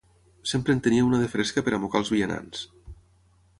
Sempre en tenia una de fresca per a mocar els vianants.